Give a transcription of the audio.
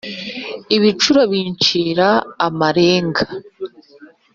ibicuro bincira amarenga